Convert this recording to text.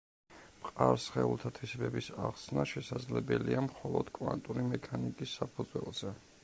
მყარ სხეულთა თვისებების ახსნა შესაძლებელია მხოლოდ კვანტური მექანიკის საფუძველზე.